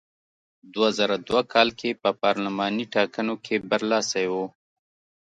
دوه زره دوه کال کې په پارلماني ټاکنو کې برلاسی و.